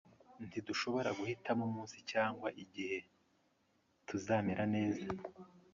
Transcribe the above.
ntidushobora guhitamo umunsi cyangwa igihe tuzamera neza